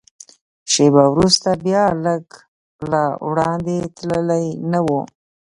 شېبه وروسته بیا، لږ لا وړاندې تللي نه و.